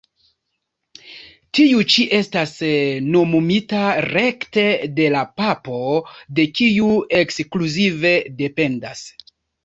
Tiu ĉi estas nomumita rekte de la Papo, de kiu ekskluzive dependas.